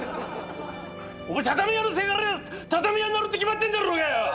お前畳屋のせがれは畳屋になるって決まってんだろうがよ！